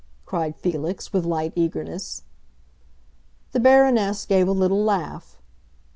cried Felix, with light eagerness. The Baroness gave a little laugh.